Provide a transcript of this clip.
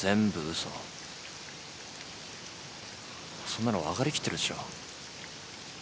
そんなの分かりきってるでしょ。